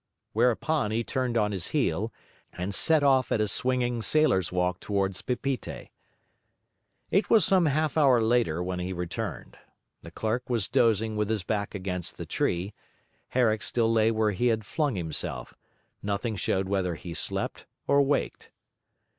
Whereupon he turned on his heel, and set off at a swinging sailor's walk towards Papeete. It was some half hour later when he returned. The clerk was dozing with his back against the tree: Herrick still lay where he had flung himself; nothing showed whether he slept or waked.